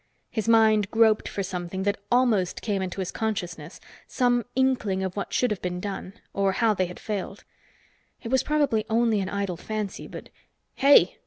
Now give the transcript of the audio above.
His mind groped for something that almost came into his consciousness some inkling of what should have been done, or how they had failed. It was probably only an idle fancy, but "Hey!"